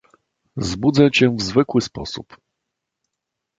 "Zbudzę cię w zwykły sposób."